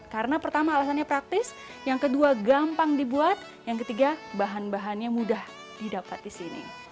karena pertama alasannya praktis yang kedua gampang dibuat yang ketiga bahan bahannya mudah didapat di sini